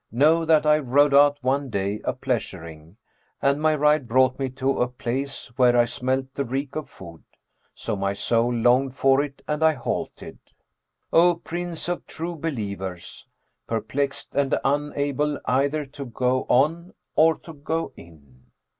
Know that I rode out one day, a pleasuring, and my ride brought me to a place where I smelt the reek of food. So my soul longed for it and I halted, O Prince of True Believers, perplexed and unable either to go on or to go in.